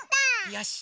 よし！